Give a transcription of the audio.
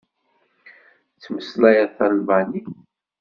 Tettmeslayeḍ talbanit?